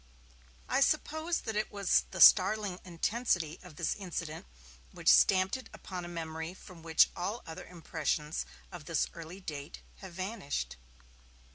I suppose that it was the startling intensity of this incident which stamped it upon a memory from which all other impressions of this early date have vanished.